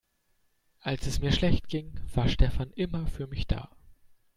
Als es mir schlecht ging, war Stefan immer für mich da.